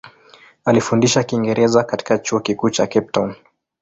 Alifundisha Kiingereza katika Chuo Kikuu cha Cape Town.